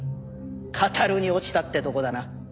語るに落ちたってとこだな。